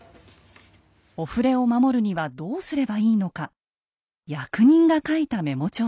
お触れを守るにはどうすればいいのか役人が書いたメモ帳です。